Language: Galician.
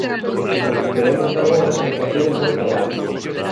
"O que queremos agora é facer un bo traballo.